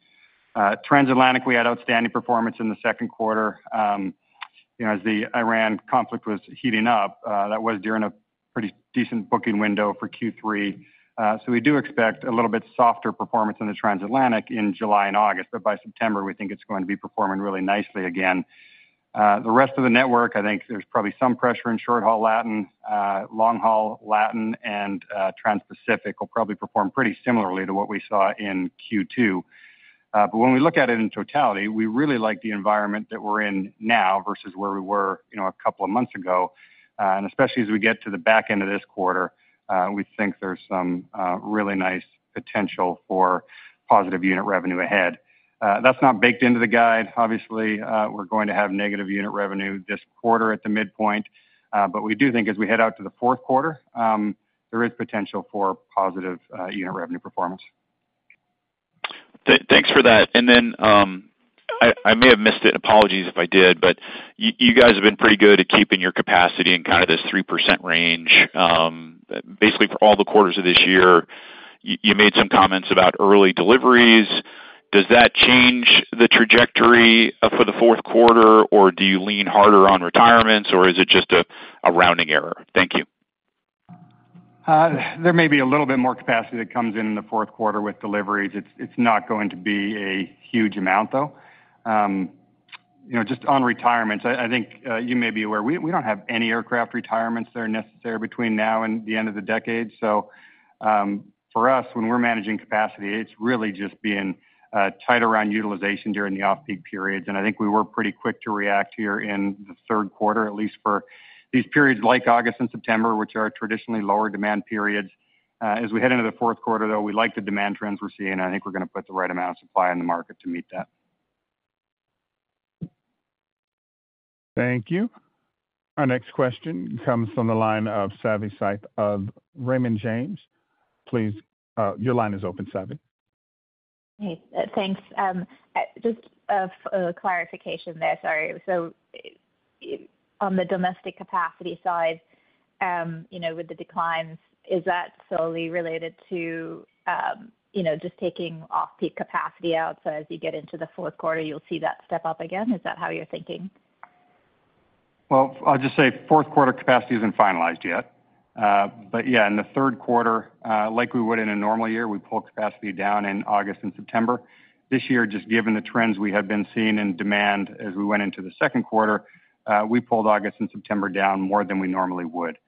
Speaker 4: Transatlantic, we had outstanding performance in the second quarter. You know, as the Iran conflict was heating up, that was during a pretty decent booking window for q three, So we do expect a little bit softer performance in the transatlantic in July and August, but by September, we think it's going to be performing really nicely again. The rest of the network, I think there's probably some pressure in short haul Latin, long haul Latin, and Trans Pacific will probably perform pretty similarly to what we saw in q two. But when we look at it in totality, we really like the environment that we're in now versus where we were, you know, a couple of months ago, and especially as we get to the back end of this quarter, we think there's some really nice potential for positive unit revenue ahead. That's not baked into the guide. Obviously, we're going to have negative unit revenue this quarter at the midpoint, But we do think as we head out to the fourth quarter, there is potential for positive unit revenue performance.
Speaker 12: Thanks for that. And then I may have missed it, apologies if I did, but you guys have been pretty good at keeping your capacity in kind of this 3% range. Basically for all the quarters of this year, you made some comments about early deliveries. Does that change the trajectory for the fourth quarter? Or do you lean harder on retirements? Or is it just a rounding error?
Speaker 4: There may be a little bit more capacity that comes in the fourth quarter with deliveries. It's not going to be a huge amount, You know, just on retirements, I I think, you may be aware. We we don't have any aircraft retirements that are necessary between now and the end of the decade. So, for us, when we're managing capacity, it's really just being tight around utilization during the off peak periods. And I think we were pretty quick to react here in the third quarter, at least for these periods like August and September, which are traditionally lower demand periods. As we head into the fourth quarter, though, we like the demand trends we're seeing. I think we're gonna put the right of supply in the market to meet that.
Speaker 1: Thank you. Our next question comes from the line of Savi Syth of Raymond James. Please, your line is open Savi.
Speaker 13: Hey, thanks. Just a clarification there, sorry. So on the domestic capacity side, you know, with the declines, is that solely related just taking off peak capacity out? So as you get into the fourth quarter, you'll see that step up again? Is that how you're thinking?
Speaker 4: Well, I'll just say fourth quarter capacity isn't finalized yet. But yes, in the third quarter, like we would in a normal year, we pulled capacity down in August and September. This year, just given the trends we had been seeing in demand as we went into the second quarter, we pulled August and September down more than we normally would.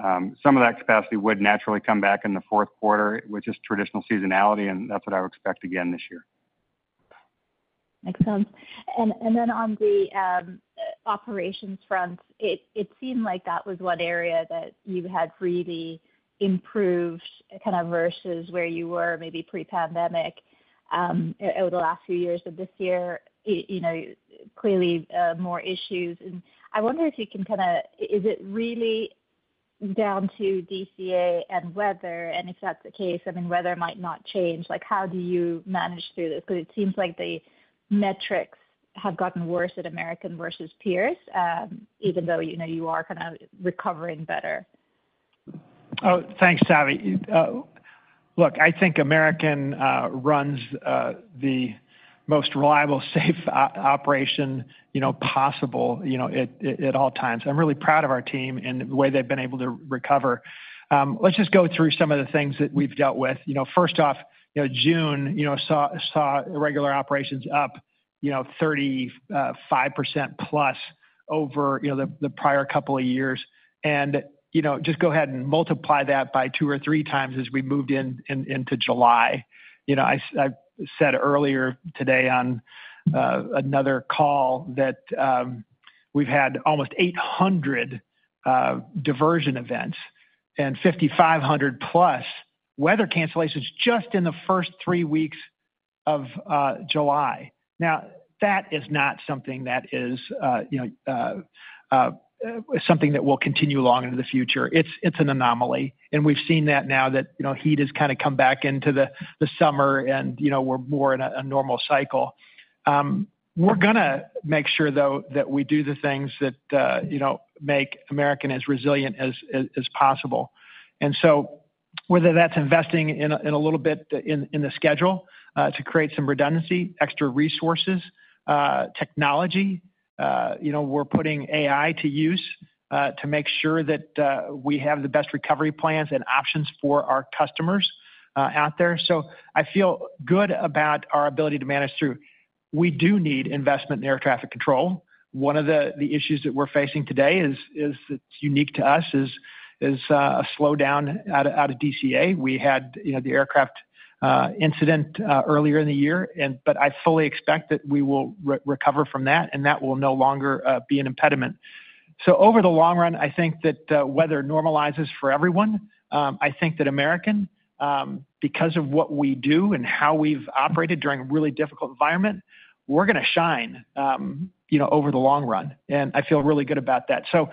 Speaker 4: Some of that capacity would naturally come back in the fourth quarter, which is traditional seasonality, and that's what I would expect again this year.
Speaker 13: Makes sense. And and then on the, operations front, it it seemed like that was one area that you had really improved kind of versus where you were maybe pre pandemic over the last few years of this year. You know, clearly more issues. I wonder if you can kind of is it really down to DCA and weather? And if that's the case, I mean, weather might not change. Like how do you manage through this? Because it seems like the metrics have gotten worse at American versus peers, even though you are kind of recovering better.
Speaker 3: Thanks, Savi. Look, I think American runs the most reliable, safe operation possible at all times. I'm really proud of our team and the way they've been able to recover. Let's just go through some of the things that we've dealt with. First off, June saw regular operations up 35% plus over the prior couple of years. And just go ahead and multiply that by two or three times as we moved into July. I said earlier today on another call that we've had almost 800 diversion events and 5,500 plus weather cancellations just in the first three weeks of July. Now, that is not something that something that is will continue long into the future. It's it's an anomaly. And we've seen that now that, you know, heat has kinda come back into the the summer and, you know, we're more in a a normal cycle. We're gonna make sure, though, that we do the things that, you know, make American as resilient as possible. And so whether that's investing in a little bit in the schedule to create some redundancy, extra resources, technology, We're putting AI to use, to make sure that, we have the best recovery plans and options for our customers, out there. So I feel good about our ability to manage through. We do need investment in air traffic control. One of the issues that we're facing today is unique to us is a slowdown out of DCA. We had the aircraft incident earlier in the year. But I fully expect that we will recover from that, and that will no longer be an impediment. So over the long run, I think that weather normalizes for everyone. I think that American, because of what we do and how we've operated during a really difficult environment, we're going to shine over the long run. And I feel really good about that. So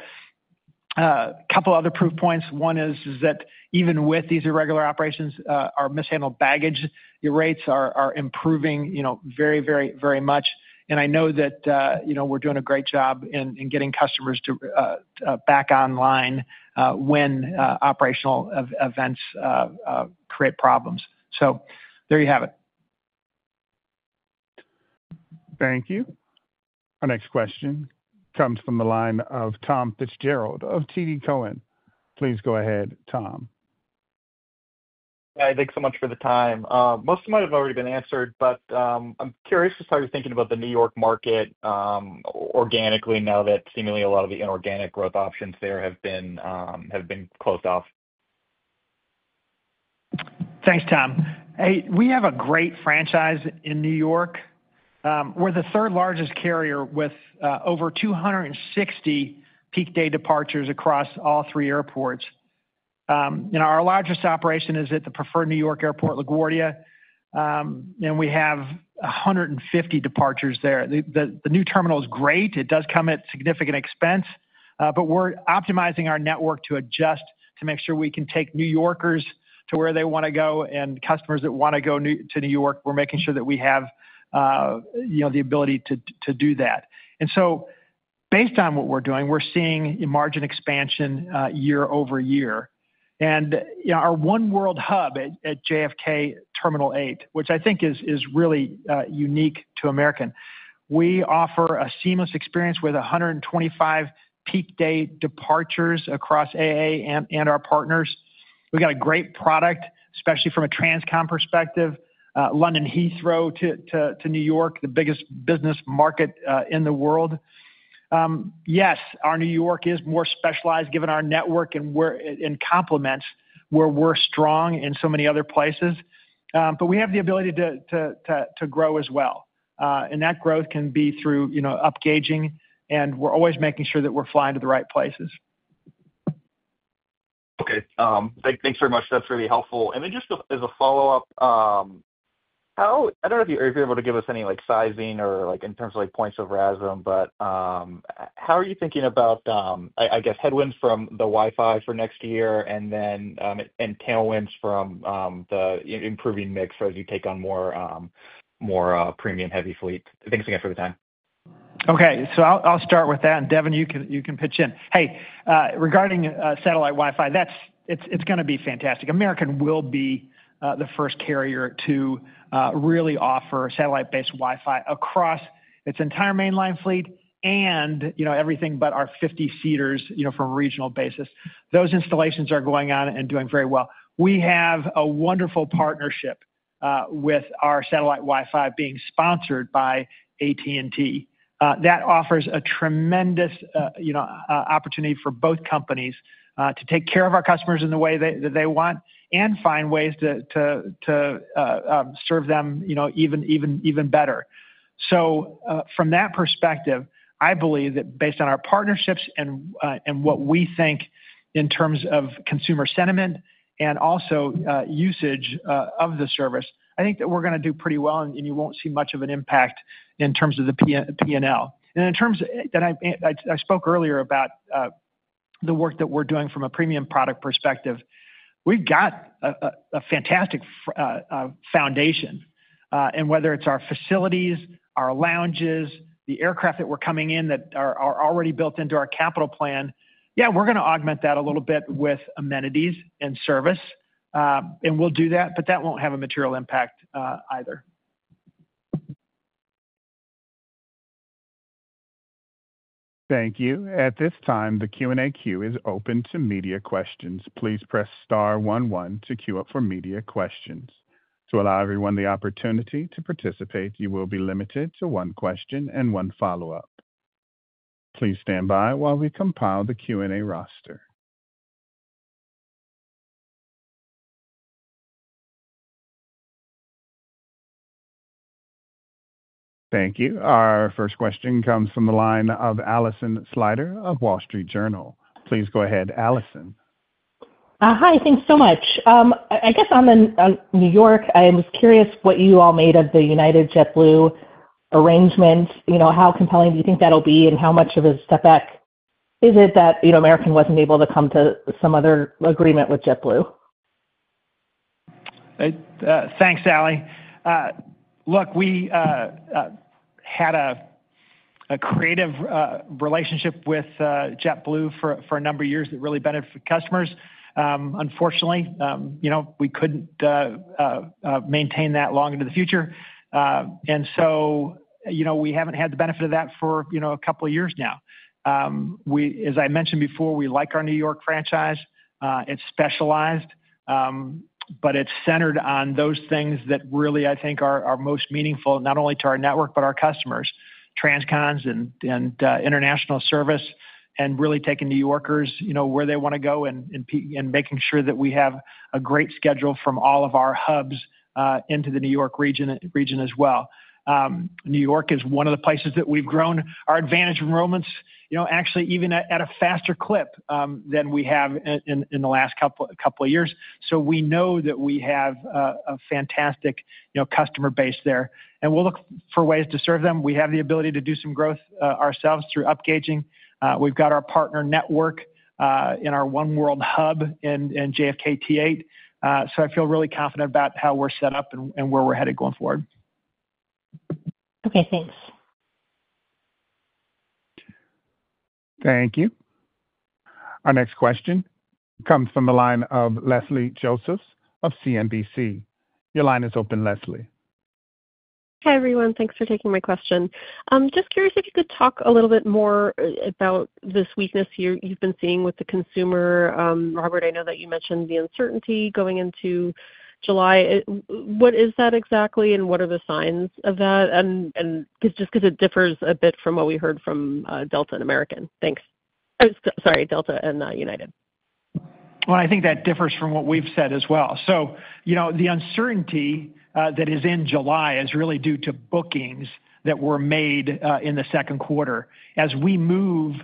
Speaker 3: a couple other proof points. One is that even with these irregular operations, our mishandled baggage rates are improving very, very, very much. And I know that we're doing a great job in getting customers back online when operational events create problems. So there you have it.
Speaker 1: Thank you. Our next question comes from the line of Tom Fitzgerald of TD Cohen. Please go ahead, Tom.
Speaker 14: Hi. Thanks so much for the time. Most of my have already been answered, but I'm curious just how you're thinking about the New York market organically now that seemingly a lot of the inorganic growth options there have been closed off.
Speaker 3: Thanks, Tom. We have a great franchise in New York. We're the third largest carrier with over two sixty peak day departures across all three airports. And our largest operation is at the preferred New York airport, LaGuardia. And we have 150 departures there. The new terminal is great. It does come at significant expense. But we're optimizing our network to adjust to make sure we can take New Yorkers to where they want to go and customers that want to go to New York. We're making sure that we have the ability to do that. And so based on what we're doing, we're seeing margin expansion year over year. And our one world hub at JFK Terminal 8, which I think is really unique to American, we offer a seamless experience with 125 peak day departures across AA and our partners. We've got a great product, especially from a transcon perspective, London Heathrow to New York, the biggest business market in the world. Yes, our New York is more specialized given our network complements where we're strong in so many other places. But we have the ability to grow as well. And that growth can be through upgauging, and we're always making sure that we're flying to the right places.
Speaker 14: Okay. Thanks very much. That's really helpful. And then just as a follow-up, how I don't know you're able to give us any sizing or in terms of points of RASM, but how are you thinking about, I guess, headwinds from the Wi Fi for next year and tailwinds from the improving mix as you take on more premium heavy fleet? Thanks again for the time.
Speaker 3: Okay. So I'll start with that. And Devin, you can pitch in. Hey, regarding satellite Wi Fi, it's going to be fantastic. American will be the first carrier to really offer satellite based Wi Fi across its entire mainline fleet and everything but our 50 seaters from a regional basis. Those installations are going on and doing very well. We have a wonderful partnership with our satellite Wi Fi being sponsored by AT and T. That offers a tremendous opportunity for both companies to take care of our customers in the way that they want and find ways to serve them even better. So from that perspective, I believe that based on our partnerships and what we think in terms of consumer sentiment and also usage of the service, I think that we're gonna do pretty well and you won't see much of an impact in terms of the p and l. And in terms that I spoke earlier about the work that we're doing from a premium product perspective, we've got a fantastic, foundation. And whether it's our facilities, our lounges, the aircraft that were coming in that are are already built into our capital plan, yeah, we're going to augment that a little bit with amenities and service. And we'll do that, but that won't have a material impact either.
Speaker 1: Thank you. At this time, the Q and A queue is open to media questions. Please press 11 to queue up for media questions. To allow everyone the opportunity to participate, you will be limited to one question and one follow-up. Please standby while we compile the Q and A roster. Thank you. Our first question comes from the line of Allison Slider of Wall Street Journal. Please go ahead, Allison.
Speaker 15: Hi, thanks so much. I guess on New York, I was curious what you all made of the United JetBlue arrangements. How compelling do you think that will be? And how much of a step back is it that American wasn't able to come to some other agreement with JetBlue?
Speaker 3: Thanks, Allie. Look, we had a creative relationship with JetBlue for a number of years that really benefited customers. Unfortunately, we couldn't maintain that long into the future. And so we haven't had the benefit of that for a couple of years now. As I mentioned before, we like our New York franchise. It's specialized. But it's centered on those things that really, I think, are most meaningful, not only to our network, but our customers, transcons and international service, and really taking New Yorkers where they wanna go and making sure that we have a great schedule from all of our hubs, into the New York region as well. New York is one of the places that we've grown. Our advantage enrollments actually even at a faster clip, than we have in the last couple of years. So we know that we have a fantastic customer base there. And we'll look for ways to serve them. We have the ability to do some growth ourselves through upgauging. We've got our partner network in our One World hub in JFK T8. So I feel really confident about how we're set up and where we're headed going forward.
Speaker 15: Okay, thanks.
Speaker 1: Thank you. Our next question comes from the line of Leslie Josephs of CNBC. Your line is open, Leslie.
Speaker 16: Hi, everyone. Thanks for taking my question. Just curious if you could talk a little bit more about this weakness you've been seeing with the consumer. Robert, I know that you mentioned the uncertainty going into July. What is that exactly? And what are the signs of that? Just because it differs a bit from what we heard from Delta and United.
Speaker 3: Well, I think that differs from what we've said as well. So the uncertainty that is in July is really due to bookings that were made in the second quarter. As we move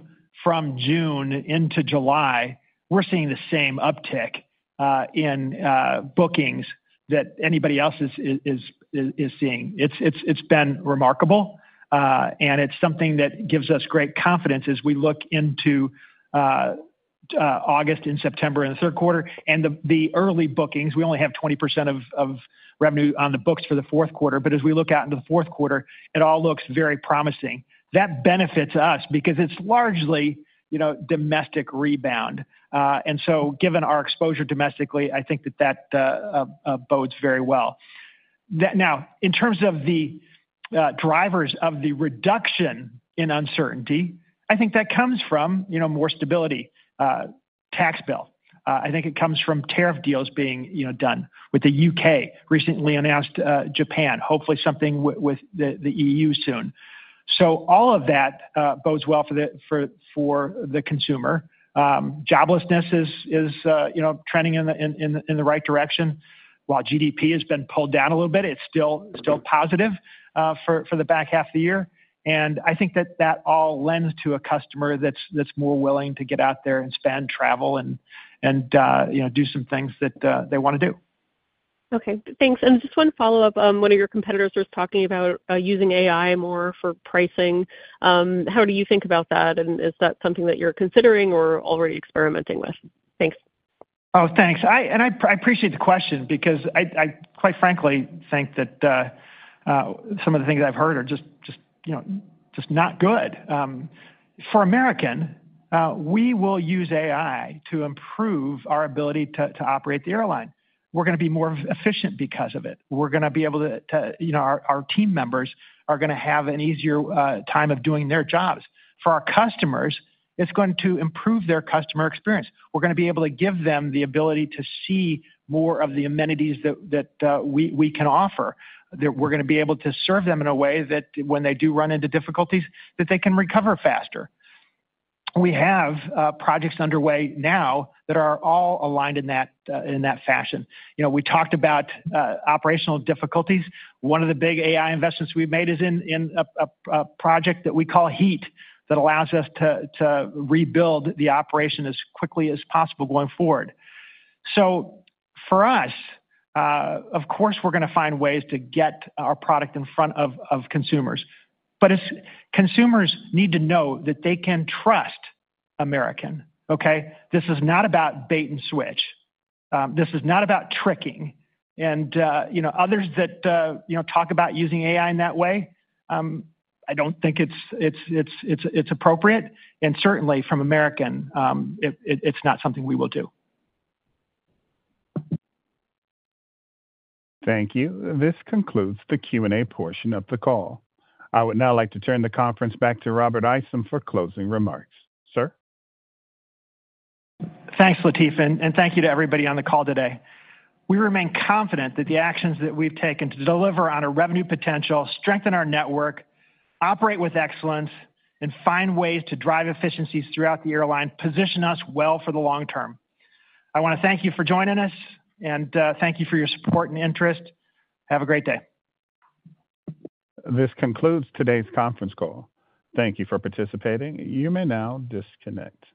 Speaker 3: from June into July, we're seeing the same uptick, in, bookings that anybody else is is is seeing. It's it's it's been remarkable, and it's something that gives us great confidence as we look into August and September in the third quarter. And the early bookings, we only have 20% of revenue on the books for the fourth quarter. But as we look out into the fourth quarter, it all looks very promising. That benefits us because it's largely domestic rebound. And so given our exposure domestically, I think that that bodes very well. Now, in terms of the drivers of the reduction in uncertainty, I think that comes from more stability, tax bill. I think it comes from tariff deals being done with The UK recently announced, Japan, hopefully something with the EU soon. So all of that, bodes well for the consumer. Joblessness is trending in the right direction. While GDP has been pulled down a little bit, it's still positive, for the back half of the year. And I think that that all lends to a customer that's more willing to get out there and spend travel and do some things that they want to do.
Speaker 16: Okay. Thanks. And just one follow-up. One of your competitors was talking about using AI more for pricing. How do you think about that? And is that something that you're considering or already experimenting with? Thanks.
Speaker 3: Thanks. And I appreciate the question, because I quite frankly think that some of the things I've heard are just not good. For American, we will use AI to improve our ability to operate the airline. We're going to be more efficient because of it. We're going to be able to our team members are gonna have an easier time of doing their jobs. For our customers, it's going to improve their customer experience. We're gonna be able to give them the ability to see more of the amenities that we can offer. That we're going be able to serve them in a way that when they do run into difficulties, that they can recover faster. We have projects underway now that are all aligned in that fashion. We talked about operational difficulties. One of the big AI investments we've made is in a project that we call HEAT that allows us to rebuild the operation as quickly as possible going forward. So for us, of course, we're going to find ways to get our product in front of consumers. But consumers need to know that they can trust American. Okay? This is not about bait and switch. This is not about tricking. And others that talk about using AI in that way, I don't think it's appropriate. And certainly, American, it's not something we will do.
Speaker 1: Thank you. This concludes the Q and A portion of the call. I would now like to turn the conference back to Robert Isom for closing remarks. Sir?
Speaker 3: Thanks, Latif, and thank you to everybody on the call today. We remain confident that the actions that we've taken to deliver on our revenue potential, strengthen our network, operate with excellence, and find ways to drive efficiencies throughout the airline position us well for the long term. I want to thank you for joining us, and thank you for your support and interest. Have a great day.
Speaker 1: This concludes today's conference call. Thank you for participating. You may now disconnect.